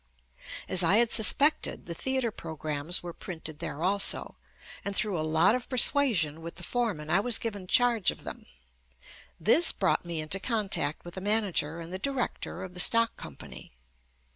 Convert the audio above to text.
As I had suspected, the theatre programmes were printed there also, and through a lot of persuasion with the foreman I was given charge of them. This brought me into contact with the manager and the director of the stock company.